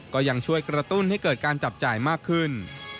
ก็ยังช่วยกระตุ้นให้เกิดการจับจ่ายมากขึ้น